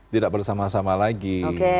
tidak bersama sama lagi